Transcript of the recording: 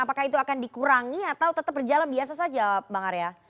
apakah itu akan dikurangi atau tetap berjalan biasa saja bang arya